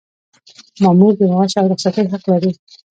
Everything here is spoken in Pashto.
مامور د معاش او رخصتۍ حق لري.